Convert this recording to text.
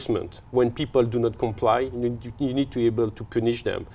một bạn muốn có một tài năng đơn giản